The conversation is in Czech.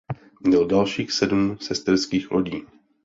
Měl dalších sedm sesterských lodí.